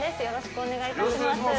よろしくお願いします。